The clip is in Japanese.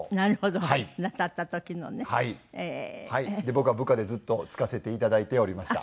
僕は部下でずっと付かせていただいておりました。